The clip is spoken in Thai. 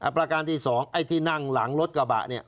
ประการที่๒ไอ้ที่นั่งหลังรถกระบะเนี่ย